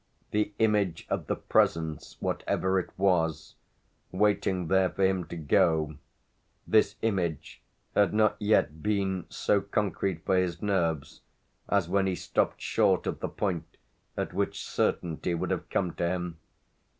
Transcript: The image of the "presence" whatever it was, waiting there for him to go this image had not yet been so concrete for his nerves as when he stopped short of the point at which certainty would have come to him.